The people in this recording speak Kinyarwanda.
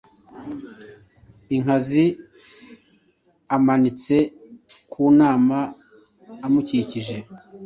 inkazi amanitse ku nama; amukikije,